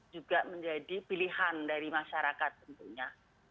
juga menjadi pilihan dari masyarakat tentunya